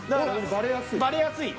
バレやすい。